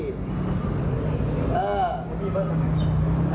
มีเบิ้ลทำไง